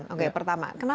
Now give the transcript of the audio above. oke pertama kenapa